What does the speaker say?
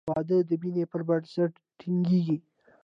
• واده د مینې پر بنسټ ټینګېږي.